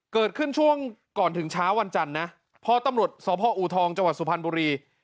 เกิดขึ้นช่วงก่อนถึงเช้าวันจันทร์นะพอตำรวจสพอูทองจังหวัดสุพรรณบุรี